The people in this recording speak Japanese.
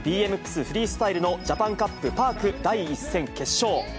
フリースタイルのジャパンカップ・パーク第１戦決勝。